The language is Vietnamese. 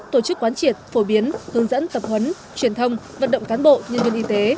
tổ chức quán triệt phổ biến hướng dẫn tập huấn truyền thông vận động cán bộ nhân viên y tế